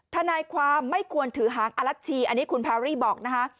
ธนายความไม่ควรถือห่างอลัทชีคุณพาวรี่บอกนะฮะ